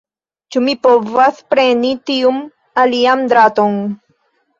Ĉu mi povas preni tiun alian draton?